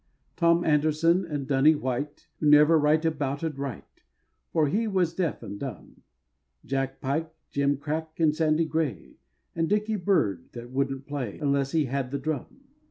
Tom Anderson, and "Dunny White," Who never right abouted right, For he was deaf and dumb; Jack Pike, Jem Crack, and Sandy Gray, And Dickey Bird, that wouldn't play Unless he had the drum.